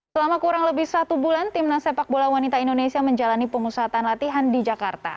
selama kurang lebih satu bulan timnas sepak bola wanita indonesia menjalani pemusatan latihan di jakarta